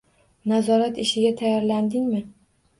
Nazorat ishiga tayyorlandingmi?